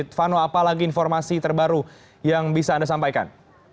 silvano apalagi informasi terbaru yang bisa anda sampaikan